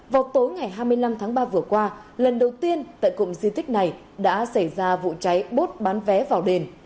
vào tối ngày hai mươi năm tháng ba vừa qua lần đầu tiên tại cụm di tích này đã xảy ra vụ cháy bốt bán vé vào đền